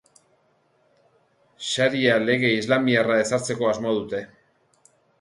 Sharia lege islamiarra ezartzeko asmoa dute.